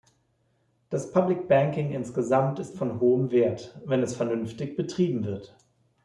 Das public banking insgesamt ist von hohem Wert, wenn es vernünftig betrieben wird.